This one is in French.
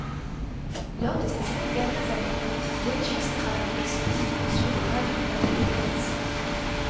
Lors de ses cinq dernières années, Boëtius travaille exclusivement sur des gravures d'après Rubens.